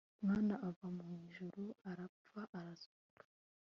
mwana ava mu ijuru, arapfa arazuka